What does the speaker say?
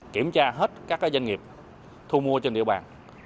kiểm tra hết các doanh nghiệp thu mua trên địa bàn